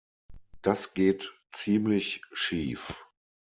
Das geht ziemlich schief.